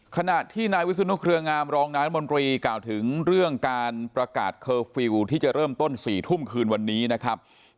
ขณะที่นายวิศนุเครืองามรองนายรัฐมนตรีกล่าวถึงเรื่องการประกาศเคอร์ฟิลล์ที่จะเริ่มต้น๔ทุ่มคืนวันนี้นะครับ